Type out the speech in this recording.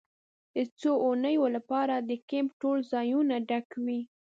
د څو اونیو لپاره د کیمپ ټول ځایونه ډک وي